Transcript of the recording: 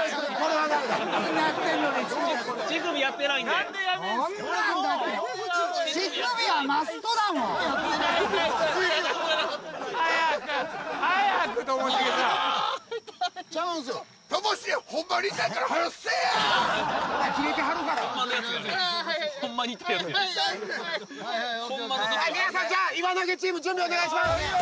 はいはいはい皆さんじゃあ岩投げチーム準備お願いします